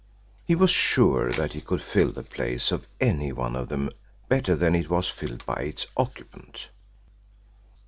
He was sure that he could fill the place of any one of them better than it was filled by its occupant.